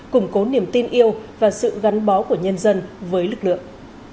củng cố niềm tin yêu và sự gắn bó của nhân dân với lực lượng